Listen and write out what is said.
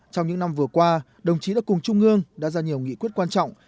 trong những năm vừa qua đồng chí đã cùng trung ương đã ra nhiều nghị quyết quan trọng